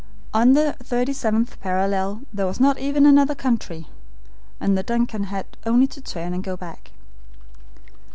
On the 37th parallel there was not even another country, and the DUNCAN had only to turn and go back.